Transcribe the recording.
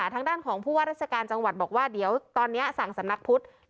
ทางด้านของผู้ว่าราชการจังหวัดบอกว่าเดี๋ยวตอนนี้สั่งสำนักพุทธ